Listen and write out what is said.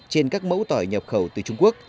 trên các mẫu tỏi nhập khẩu từ trung quốc